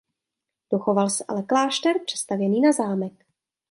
Dochoval se ale klášter přestavěný na zámek.